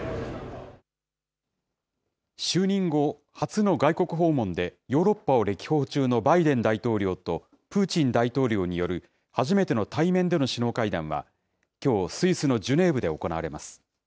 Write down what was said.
就任後初の外国訪問でヨーロッパを歴訪中のバイデン大統領と、プーチン大統領による初めての対面での首脳会談は、きょう、スイスのジュネーブで行われます。